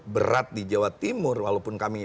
berat di jawa timur walaupun kami